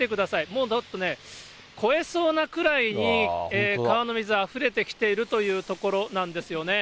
もう越えそうなくらいに川の水、あふれてきているというところなんですよね。